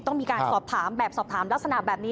ต้องมีการสอบถามแบบสอบถามลักษณะแบบนี้